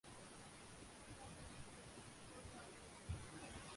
সেটাই আজকের বিষ্ণুপুর নগরী।